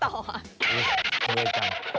เฮ้ยเหนื่อยจัง